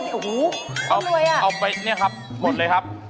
ความรวยน่ะเอาไปนี่ครับหมดเลยครับ